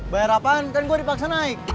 bayar apaan kan gue dipaksa naik